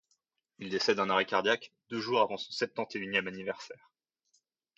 Il décède d'un arrêt cardiaque deux jours avant son septante-et-unième anniversaire.